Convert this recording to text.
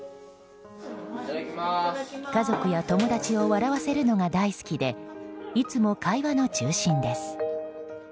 家族や友達を笑わせるのが大好きでいつも会話の中心です。